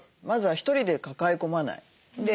まずは１人で抱え込まない。